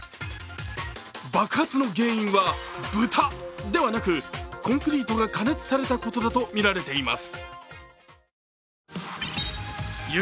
爆発の原因は豚ではなくコンクリートが過熱されたことだと見られています。